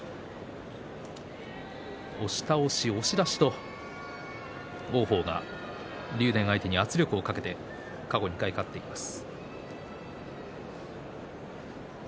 押し倒し、押し出しと王鵬が竜電相手に圧力をかけて過去２回、勝っています。